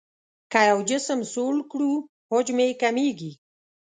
که یو جسم سوړ کړو حجم یې کمیږي.